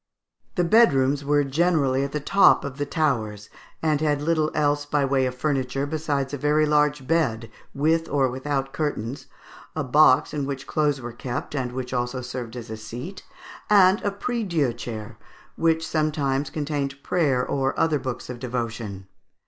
The bedrooms were generally at the top of the towers, and had little else by way of furniture, besides a very large bed, with or without curtains, a box in which clothes were kept, and which also served as a seat, and a priedieu chair, which sometimes contained prayer and other books of devotion.